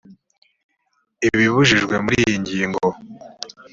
ibibujijwe muri iyi ngingo